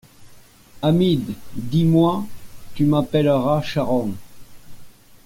Hamid, dis-moi, tu m’appelleras Charron?